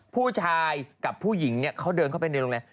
ผู้ชายกับผู้หญิงเนี่ยเขาเดินเข้าไปในโรงแรม